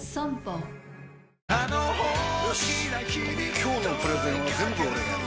今日のプレゼンは全部俺がやる！